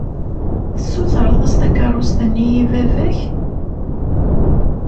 Tsutreḍ-as takeṛṛust-nni i baba-k?